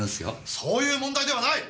そういう問題ではない！